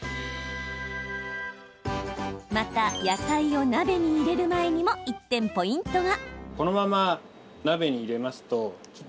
また、野菜を鍋に入れる前にも１点ポイントが。